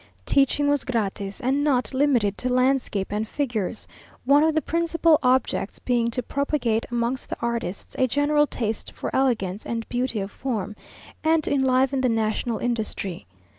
Teaching was gratis, and not limited to landscape and figures, one of the principal objects being to propagate amongst the artists a general taste for elegance and beauty of form, and to enliven the national industry.